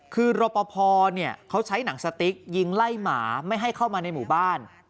คือรปภเขาใช้หนังสติ๊กยิงไล่หมาไม่ให้เข้ามาในหมู่บ้าน